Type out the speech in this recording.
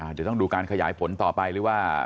เดี๋ยวต้องดูการขยายผลต่อไปหรือว่า